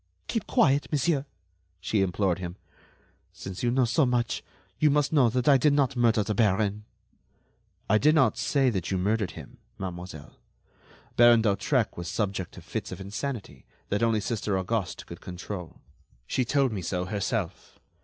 "Keep quiet, monsieur," she implored him. "Since you know so much, you must know that I did not murder the baron." "I did not say that you murdered him, mademoiselle. Baron d'Hautrec was subject to fits of insanity that only Sister Auguste could control. She told me so herself.